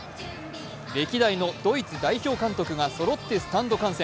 歴代ドイツ代表の監督がそろってスタンド観戦。